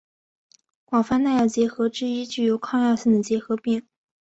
广泛耐药结核之一具有抗药性的结核病。